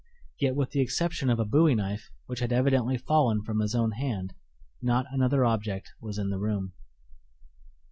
Yet with the exception of a bowie knife, which had evidently fallen from his own hand, not another object was in the room.